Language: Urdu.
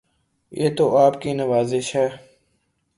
یہ تو آپ کی نوازش ہے